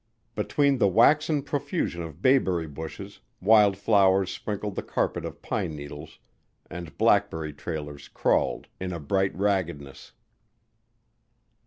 Between the waxen profusion of bayberry bushes, wild flowers sprinkled the carpet of pine needles and blackberry trailers crawled in a bright raggedness.